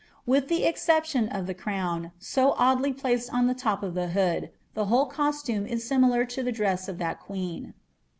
With the exception of c crown, so oddly placed on the top of the hood, the whole costume similar to the dress of that queen.